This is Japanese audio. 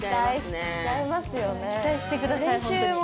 期待してくださいホントに。